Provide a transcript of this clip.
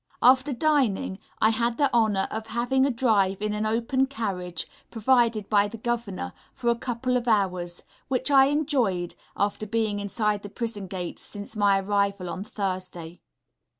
After dining, I had the honour of having a drive in an open carriage (provided by the Governor) for a couple of hours, ... which I enjoyed, after being inside the prison gates since my arrival on Thursday....